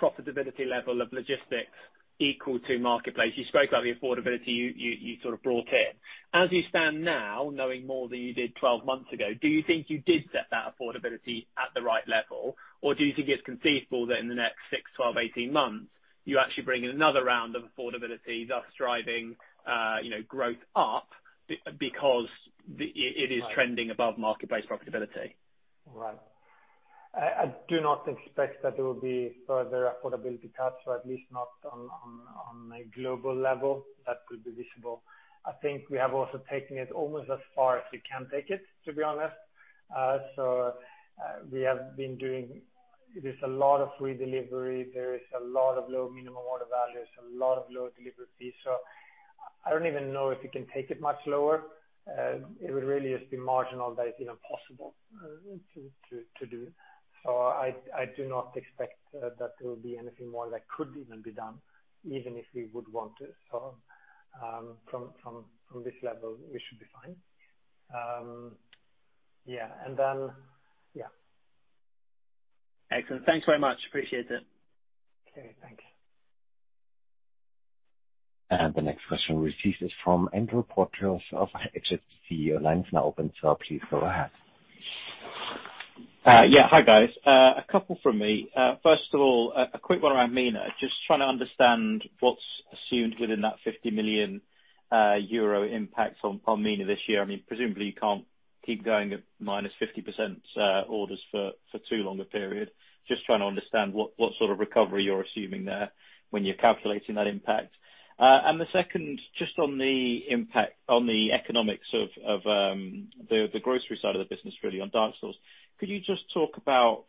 profitability level of logistics equal to marketplace, you spoke about the affordability you sort of brought in. You stand now, knowing more than you did 12 months ago, do you think you did set that affordability at the right level, or do you think it's conceivable that in the next six, 12, 18 months, you actually bring in another round of affordability, thus driving growth up because it is trending above marketplace profitability? Right. I do not expect that there will be further affordability cuts, or at least not on a global level that could be visible. I think we have also taken it almost as far as we can take it, to be honest. There's a lot of free delivery, there is a lot of low minimum order values, a lot of low delivery fees. I don't even know if we can take it much lower. It would really just be marginal that is even possible to do. I do not expect that there will be anything more that could even be done, even if we would want to. From this level, we should be fine. Yeah. Yeah. Excellent. Thanks very much. Appreciate it. Okay, thank you. The next question we receive is from Andrew Porteous of HSBC. Your line is now open, so please go ahead. Hi, guys. A couple from me. First of all, a quick one around MENA. Just trying to understand what's assumed within that 50 million euro impact on MENA this year. Presumably you can't keep going at -50% orders for too long a period. Just trying to understand what sort of recovery you're assuming there when you're calculating that impact. The second, just on the impact on the economics of the grocery side of the business really on dark stores. Could you just talk about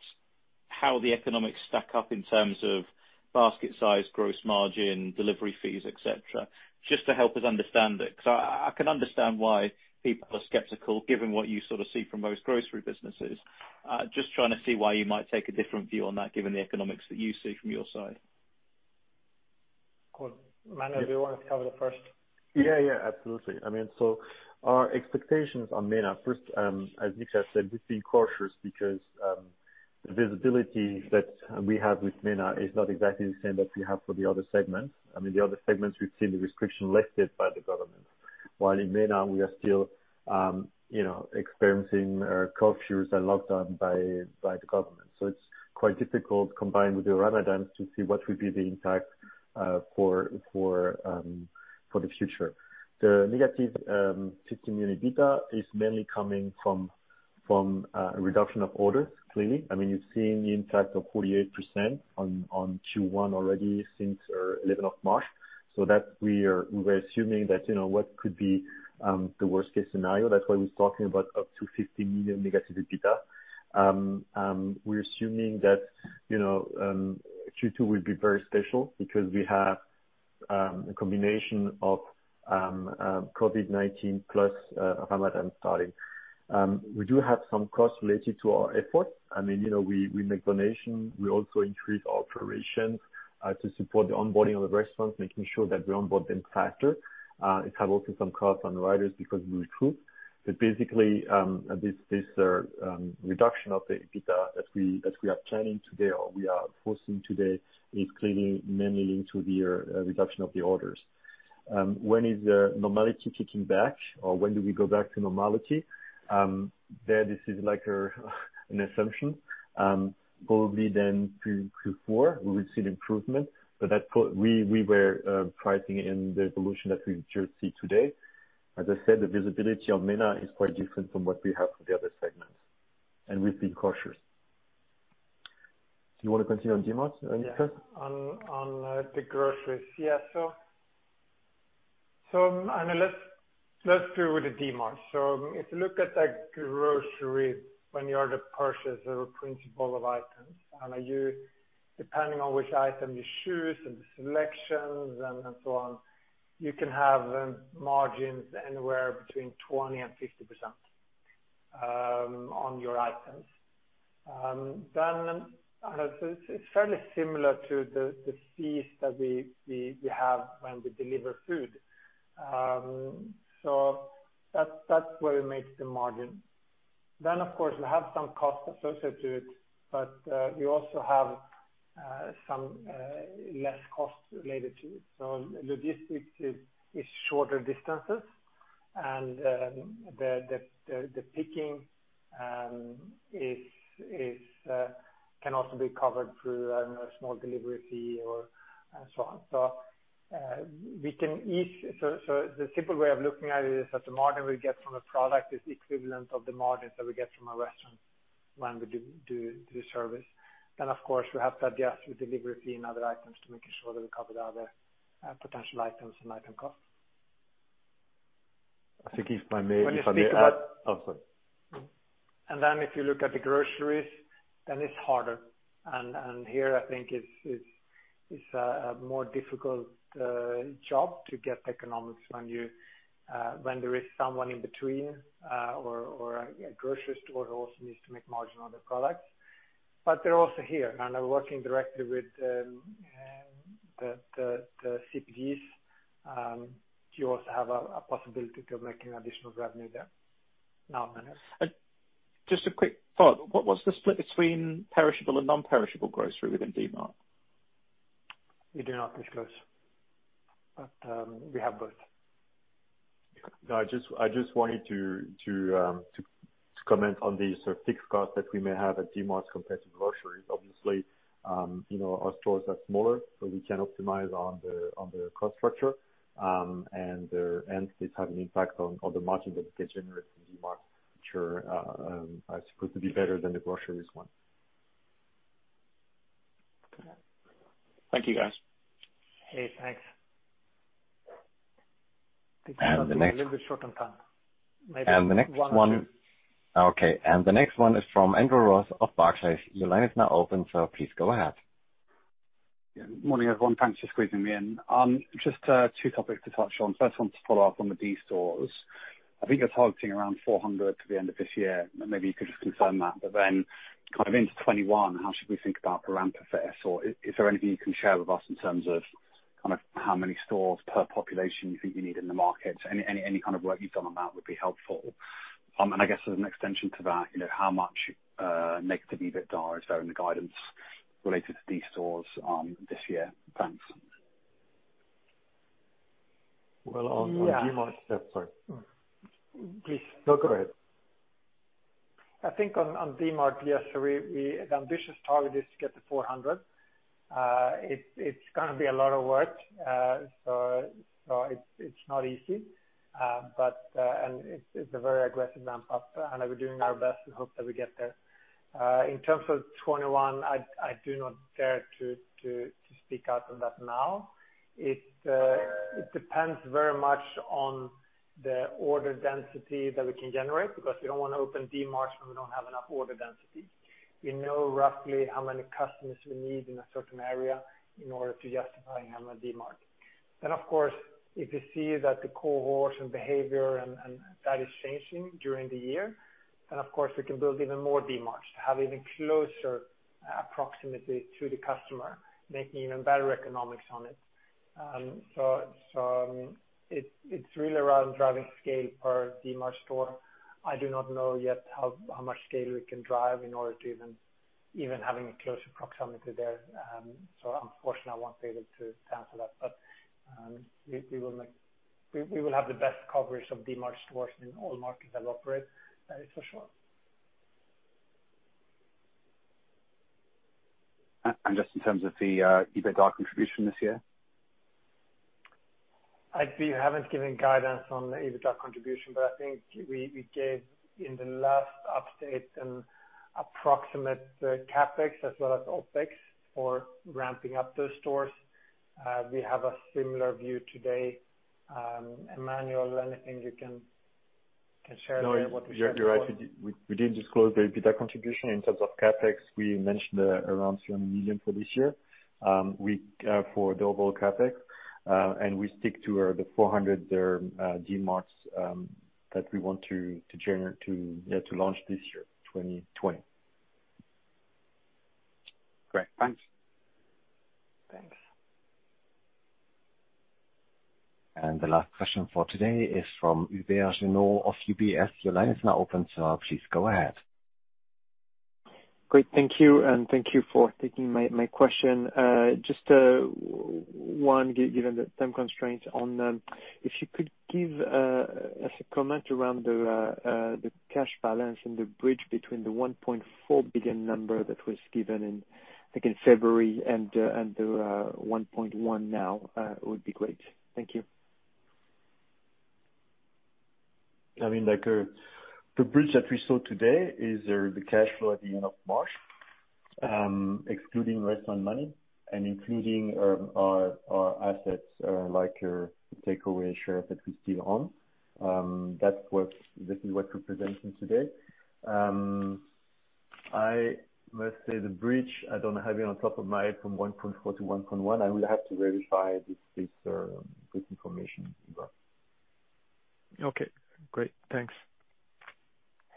how the economics stack up in terms of basket size, gross margin, delivery fees, et cetera, just to help us understand it? I can understand why people are skeptical given what you sort of see from most grocery businesses. Just trying to see why you might take a different view on that given the economics that you see from your side. Cool. Emmanuel, do you want to cover the first? Absolutely. Our expectations on MENA, first, as Niklas said, we've been cautious because the visibility that we have with MENA is not exactly the same that we have for the other segments. I mean, the other segments we've seen the restriction lifted by the government. While in MENA, we are still experiencing curfews and lockdown by the government. It's quite difficult, combined with the Ramadan, to see what will be the impact for the future. The EUR -50 million EBITDA is mainly coming from a reduction of orders, clearly. You've seen the impact of 48% on Q1 already since 11th of March. That we were assuming that what could be the worst-case scenario. That's why we're talking about up to 50 million negative EBITDA. We're assuming that Q2 will be very special because we have a combination of COVID-19 plus Ramadan starting. We do have some costs related to our efforts. We make donation. We also increase our operations to support the onboarding of the restaurants, making sure that we onboard them faster. It have also some costs on the riders because we recruit. Basically, this reduction of the EBITDA as we are planning today or we are forecasting today is clearly mainly linked to the reduction of the orders. When is the normality kicking back? When do we go back to normality? There, this is like an assumption. Probably Q4, we will see an improvement, but that we were pricing in the evolution that we should see today. As I said, the visibility on MENA is quite different from what we have for the other segments, and we've been cautious. Do you want to continue on Dmart, Niklas? Yeah. On the groceries. Yes. Let's do the Dmart. If you look at a grocery, when you are the purchaser of principal of items, and you, depending on which item you choose and the selections and so on, you can have margins anywhere between 20%-50% on your items. It's fairly similar to the fees that we have when we deliver food. That's where we make the margin. Of course, we have some cost associated to it, but we also have some less cost related to it. Logistics is shorter distances and the picking can also be covered through a small delivery fee or so on. The simple way of looking at it is that the margin we get from a product is equivalent of the margins that we get from a restaurant when we do service. Of course, we have to adjust with delivery fee and other items to making sure that we cover the other potential items and item cost. I think if I may add. When you speak about. Oh, sorry. If you look at the groceries, then it's harder. Here, I think it's a more difficult job to get economics when there is someone in between or a grocery store who also needs to make margin on the products. They're also here, and they're working directly with the CPGs. You also have a possibility to make an additional revenue there. Manuel. Just a quick thought. What was the split between perishable and non-perishable grocery within Dmart? We do not disclose. We have both. I just wanted to comment on the sort of fixed cost that we may have at Dmart compared to groceries. Obviously, our stores are smaller, so we can optimize on the cost structure, and it's had an impact on the margin that we can generate from Dmart, which are supposed to be better than the groceries one. Okay. Thank you, guys. Hey, thanks. And the next- Think we're running a little bit short on time. Maybe one or two. The next one is from Andrew Ross of Barclays. Your line is now open, so please go ahead. Yeah. Morning, everyone. Thanks for squeezing me in. Just two topics to touch on. First one to follow up on the Dmarts. I think you're targeting around 400 to the end of this year. Maybe you could just confirm that. Kind of into 2021, how should we think about the ramp effect? Is there anything you can share with us in terms of kind of how many stores per population you think you need in the market? Any kind of work you've done on that would be helpful. I guess as an extension to that, how much negative EBITDA is there in the guidance related to these stores this year? Thanks. Well, on Dmart. Yeah. Sorry. Please. No, go ahead. I think on Dmart, yes, the ambitious target is to get to 400. It's going to be a lot of work. It's not easy, and it's a very aggressive ramp up, and we're doing our best and hope that we get there. In terms of 2021, I do not dare to speak out on that now. It depends very much on the order density that we can generate because we don't want to open Dmart when we don't have enough order density. We know roughly how many customers we need in a certain area in order to justify having a Dmart. Of course, if we see that the cohorts and behavior and that is changing during the year, then of course we can build even more Dmarts to have even closer proximity to the customer, making even better economics on it. It's really around driving scale per Dmart store. I do not know yet how much scale we can drive in order to even having a closer proximity there. Unfortunately, I won't be able to answer that, but, we will have the best coverage of Dmart stores in all markets that operate, that is for sure. Just in terms of the EBITDA contribution this year? I see you haven't given guidance on the EBITDA contribution. I think we gave in the last update an approximate CapEx as well as OpEx for ramping up those stores. We have a similar view today. Emmanuel, anything you can share there what we should expect? No, you're right. We didn't disclose the EBITDA contribution. In terms of CapEx, we mentioned around 3 million for this year for global CapEx. We stick to the 400 Dmarts that we want to launch this year, 2020. Great. Thanks. Thanks. The last question for today is from Hubert Gino of UBS. Your line is now open, so please go ahead. Great. Thank you, and thank you for taking my question. Just one, given the time constraints on if you could give us a comment around the cash balance and the bridge between the 1.4 billion number that was given in, I think in February and the 1.1 billion now would be great. Thank you. I mean, like the bridge that we saw today is the cash flow at the end of March, excluding restaurant money and including our assets like our Takeaway share that we still own. This is what we're presenting today. I must say the bridge, I don't have it on top of my head from 1.4 billion-1.1 billion. I will have to verify this information. Okay, great. Thanks.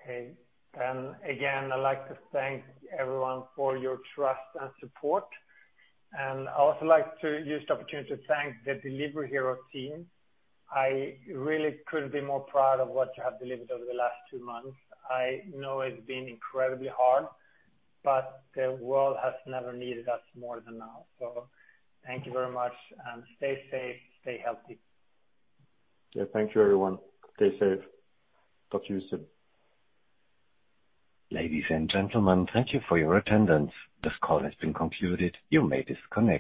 Hey. Again, I'd like to thank everyone for your trust and support. I'd also like to use the opportunity to thank the Delivery Hero team. I really couldn't be more proud of what you have delivered over the last two months. I know it's been incredibly hard, but the world has never needed us more than now. Thank you very much, and stay safe, stay healthy. Yeah. Thank you everyone. Stay safe. Talk to you soon. Ladies and gentlemen, thank you for your attendance. This call has been concluded. You may disconnect.